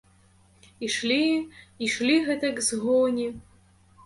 Ішлі, ішлі гэтак з гоні.